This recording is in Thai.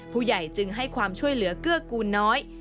ผู้ใหญ่จึงให้ความช่วยเหลือเกื้อกูลน้อย